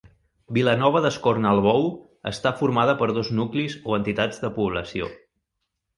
Vilanova d'Escornalbou està formada per dos nuclis o entitats de població.